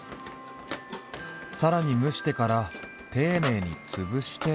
さらに蒸してから丁寧につぶして。